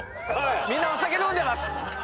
みんなお酒飲んでます。